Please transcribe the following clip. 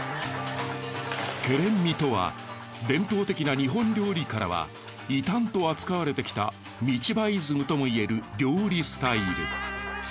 外連味とは伝統的な日本料理からは異端と扱われてきた道場イズムともいえる料理スタイル。